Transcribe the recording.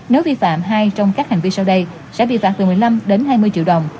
nếu vi phạm hai trong các hành vi sau đây sẽ bị phạt từ một mươi năm đến hai mươi triệu đồng